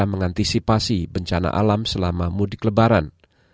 segera mengantisipasi bencana alam selama mudik lebaran